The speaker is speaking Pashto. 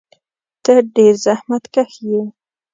ته ډېر زحمتکښ یې.